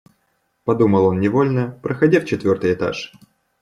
Подумал он невольно, проходя в четвертый этаж.